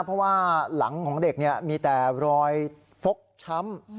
เพราะว่าหลังของเด็กมีแต่รอยฟกช้ำ